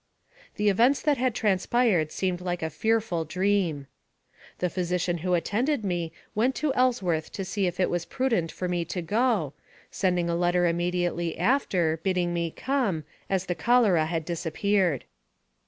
The events that had transpired seemed like a fear ful dream. The physician who attended me went to Ellsworth to see if it was prudent for me to go, sending a letter immediately after, bidding me come, as the cholera had disappeared.